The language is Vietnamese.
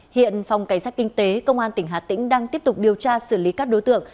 hiện phòng cảnh sát kinh tế công an tỉnh hà tĩnh đang tiếp tục điều tra xử lý các đối tượng